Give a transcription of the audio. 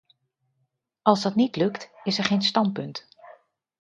Als dat niet lukt, is er geen standpunt.